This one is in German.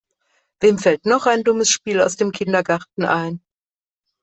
Wem fällt noch ein dummes Spiel aus dem Kindergarten ein?